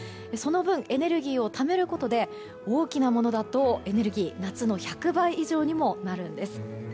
その分エネルギーをためることで大きなものだと夏の１００倍以上のものになります。